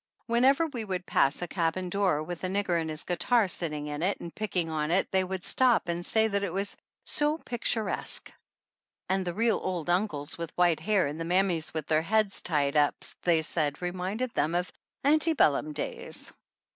Whenever we would pass a cabin door with a nigger and his guitar sitting in it and 95 THE ANNALS OF ANN picking on it they would stop and say that it was so "picturesque." And the real old uncles with white hair and the mammies with their heads tied up they said reminded them of "Aunty Bellum days."